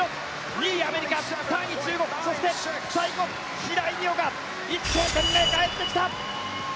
２位、アメリカ３位、中国そして最後、白井璃緒が一生懸命帰ってきた！